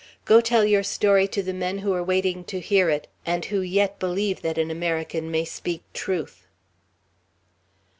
Go tell your story to the men who are waiting to hear it, and who yet believe that an American may speak truth!"